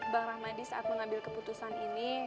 bang rahmadi saat mengambil keputusan ini